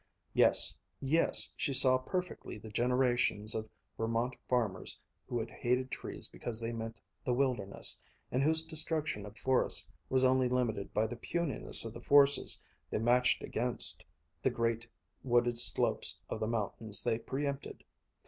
Yes, yes, she saw perfectly the generations of Vermont farmers who had hated trees because they meant the wilderness, and whose destruction of forests was only limited by the puniness of the forces they matched against the great wooded slopes of the mountains they pre empted.